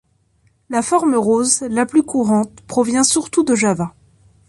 La forme rose, la plus courante, provient surtout de Java.